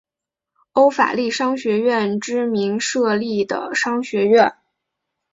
欧法利商学院之名设立的商学院。